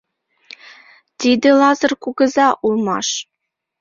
Тиде Лазыр кугыза улмаш.